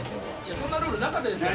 そんなルールなかったですやん。